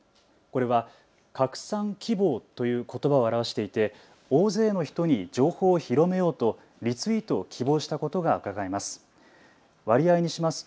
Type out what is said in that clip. これは拡散希望ということばを表していて大勢の人に情報を広めようとリツイートを希望したことがうかがえます。